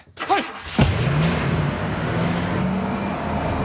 はい！